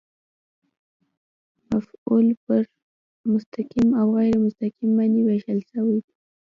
مفعول پر مستقیم او غېر مستقیم باندي وېشل سوی دئ.